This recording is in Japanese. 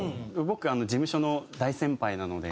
僕事務所の大先輩なので。